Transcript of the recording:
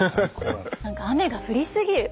何か「雨が降りすぎる」